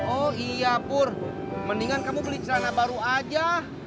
oh iya pur mendingan kamu beli celana baru aja